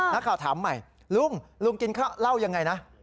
นักข่าวถามใหม่ลุงลุงกินเหล้าอย่างไรนะ